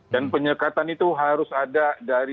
dan penyekatan itu harus ada di dalam negeri